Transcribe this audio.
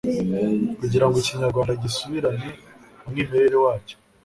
kugira ngo ikinyarwanda gisubirane umwimerere wacyo